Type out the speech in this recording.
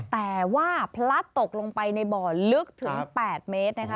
แต่ว่าพลัดตกลงไปในบ่อลึกถึง๘เมตรนะคะ